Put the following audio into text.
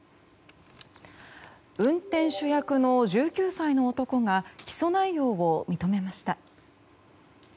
運転手役の１９歳の男が起訴内容を認めました。